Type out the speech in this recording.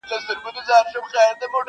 o په توره شپه به په لاسونو کي ډېوې و باسو,